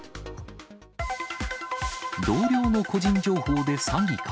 同僚の個人情報で詐欺か。